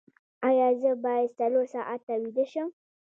ایا زه باید څلور ساعته ویده شم؟